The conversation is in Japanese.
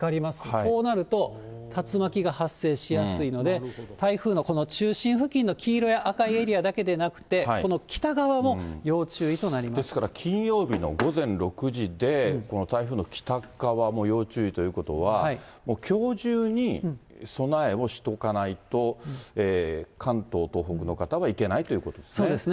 そうなると、竜巻が発生しやすいので、台風のこの中心付近の黄色や赤いエリアだけでなく、その北側も要ですから、金曜日の午前６時で、この台風の北側も要注意ということは、もうきょう中に、備えをしておかないと、関東、東北の方はいけないということですね。